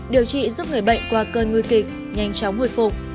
điều trị giúp người bệnh qua cơn nguy kịch nhanh chóng hồi phục